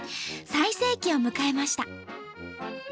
最盛期を迎えました。